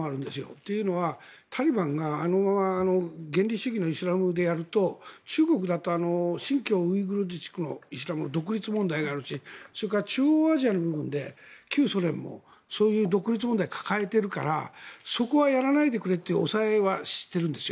というのはタリバンが原理主義のイスラムであると中国だと新疆ウイグル自治区の独立問題があるしそれから中央アジアの部分で旧ソ連も、そういう独立問題を抱えているからそこはやらないでくれって抑えはしてるんですよ。